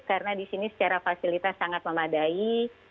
karena di sini secara fasilitas sangat memadai